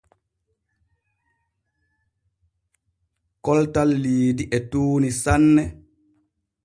Koltal Liidi e tuuni sanne.